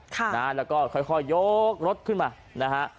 แล้วก็ค่อยยกรถขึ้นมานะฮะ